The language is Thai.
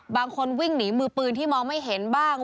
บางคนวิ่งหนีมือปืนที่มองไม่เห็นบ้าง